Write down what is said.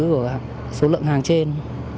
của số lượng hàng trên